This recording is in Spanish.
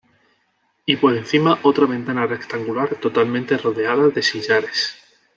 Y por encima otra ventana rectangular totalmente rodeada de sillares.